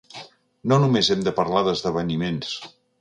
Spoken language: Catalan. No només hem de parlar d’esdeveniments.